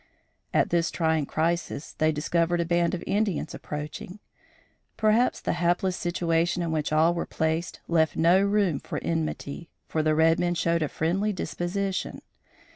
At this trying crisis, they discovered a band of Indians approaching. Perhaps the hapless situation in which all were placed left no room for enmity, for the red men showed a friendly disposition.